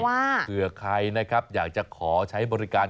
เพราะว่าเผื่อใครอยากจะขอใช้บริการ